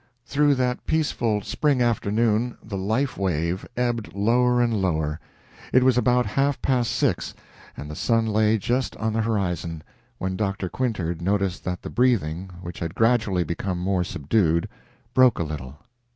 Through that peaceful spring afternoon the life wave ebbed lower and lower. It was about half past six, and the sun lay just on the horizon, when Dr. Quintard noticed that the breathing, which had gradually become more subdued, broke a little.